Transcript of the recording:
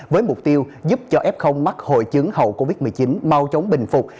với mục tiêu giúp cho f mắc hội chứng hậu covid một mươi chín mau chóng bình phục